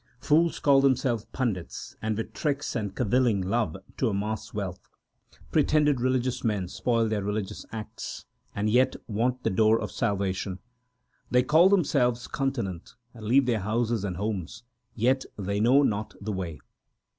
Fools call themselves pandits and with tricks and cavilling love to amass wealth. Pretended religious men spoil their religious acts, and yet want the door of salvation ; They call themselves continent, and leave their houses and homes, yet they know not the way.